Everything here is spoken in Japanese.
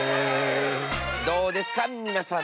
どうですかみなさん。